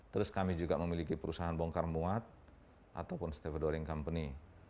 terus kami juga memiliki perusahaan bongkar muat ataupun stevedoring company